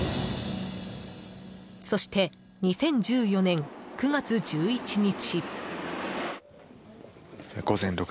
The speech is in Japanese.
そして、２０１４年９月１１日。